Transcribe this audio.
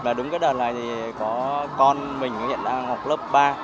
rất là trùng dịp đúng cái đợt này có con mình hiện đang học lớp ba